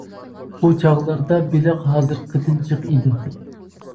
ئۇ چاغلاردا بېلىق ھازىرقىدىن جىق ئىدى.